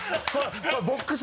ボックス